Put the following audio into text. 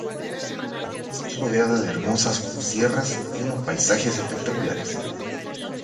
Está rodeada de hermosas sierras y unos paisajes espectaculares.